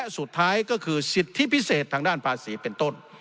๖สิทธิพิเศษทางด้านภาษีเป็นต้น